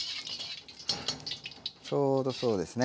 ちょうどそうですね